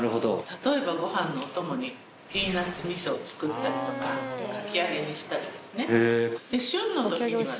例えばご飯のお供にピーナッツ味噌を作ったりとかかき揚げにしたりですね。